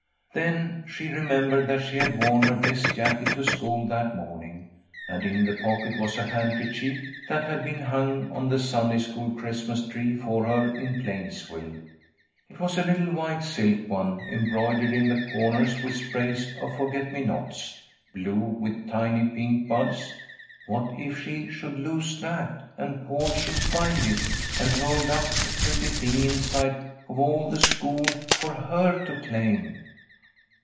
Then she remembered that she had worn her best jacket to school that morning, and in the pocket was a handkerchief that had been hung on the Sunday school Christmas tree for her in Plainsville. It was a little white silk one, embroidered in the corners with sprays of forget me nots, blue, with tiny pink buds. What if she should lose that and Paul should find it, and hold up the pretty thing in sight of all the school for her to claim?